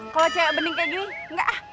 kalau cewek bening kayak gini enggak ah